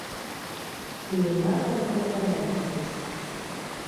Иллимарлан нуно оҥай чучыч.